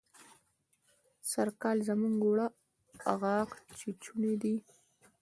سرکال زموږ اوړه غاښ چيچوني دي.